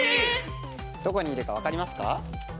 どこにいるか分かりますか？